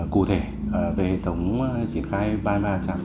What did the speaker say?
cụ thể về hệ thống triển khai ba mươi ba trạm